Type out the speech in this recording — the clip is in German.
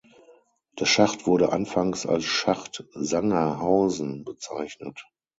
Der Schacht wurde anfangs als "Schacht Sangerhausen" bezeichnet.